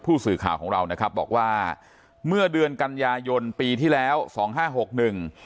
ผู้สื่อข่าวของเรานะครับบอกว่าเมื่อเดือนกันยายนปีที่แล้วสองห้าหกหนึ่ง